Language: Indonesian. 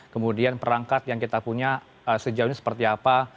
kemudian perangkat yang kita punya sejauh ini seperti apa